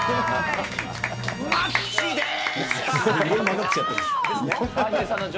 マッチでーす。